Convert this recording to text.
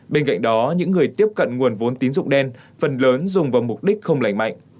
bên cạnh đó những người tiếp cận nguồn vốn tín dụng đen phần lớn dùng vào mục đích không lành mạnh